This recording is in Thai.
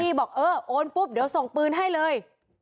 บอกเออโอนปุ๊บเดี๋ยวส่งปืนให้เลย